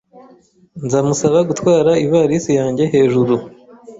Nzamusaba gutwara ivalisi yanjye hejuru.